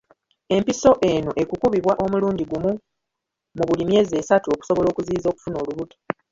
Empiso eno ekukubibwa omulundi gumu mu buli myezi esatu okusobola okuziyiza okufuna olubuto.